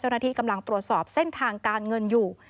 เจ้าหน้าที่กำลังตรวจสอบเส้นทางการเงินอยู่